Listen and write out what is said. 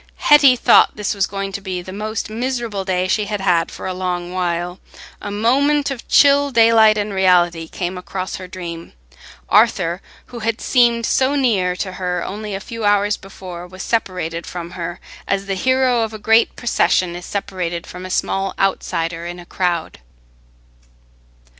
Hetty thought this was going to be the most miserable day she had had for a long while, a moment of chill daylight and reality came across her dream: Arthur, who had seemed so near to her only a few hours before, was separated from her, as the hero of a great procession is separated from a small outsider in the crowd.